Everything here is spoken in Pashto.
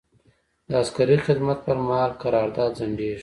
د عسکري خدمت پر مهال قرارداد ځنډیږي.